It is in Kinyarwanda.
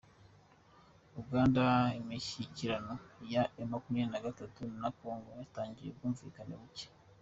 Uganda Imishyikirano ya emu makumyabiri nagatatu na kongo yatangiranye ubwumvikane buke